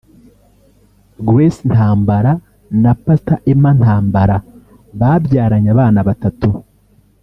Grace Ntambara na Pastor Emma Ntambara babyaranye abana batatu